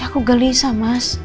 aku gelisah mas